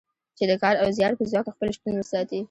چې د کار او زیار په ځواک خپل شتون وساتي.